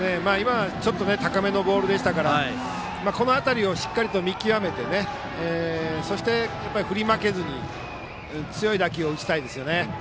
高めのボールでしたからこの辺りをしっかり見極めて振り負けずに強い打球を打ちたいです。